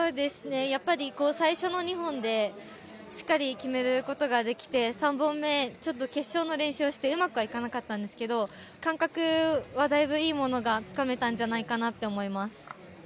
最初の２本でしっかり決めることができて３本目、決勝の練習をしてうまくはいかなかったんですけど感覚はだいぶいいものがつかめたんじゃないかなと思います。